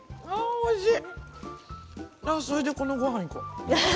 おいしい！